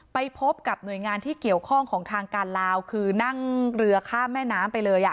ไปพบกับหน่วยงานที่เกี่ยวข้องของทางการลาวคือนั่งเรือข้ามแม่น้ำไปเลยอ่ะ